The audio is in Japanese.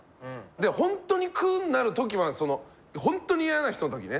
でほんとに苦になる時は本当に嫌な人の時ね。